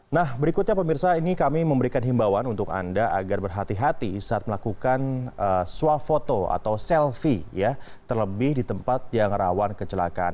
nah berikutnya pemirsa ini kami memberikan himbawan untuk anda agar berhati hati saat melakukan swafoto atau selfie terlebih di tempat yang rawan kecelakaan